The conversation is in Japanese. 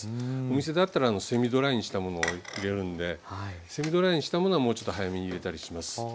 お店だったらセミドライにしたものを入れるんでセミドライにしたものはもうちょっと早めに入れたりします。